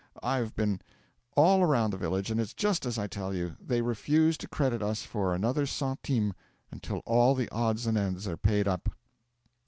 I've been all around the village and it's just as I tell you. They refuse to credit us for another centime until all the odds and ends are paid up."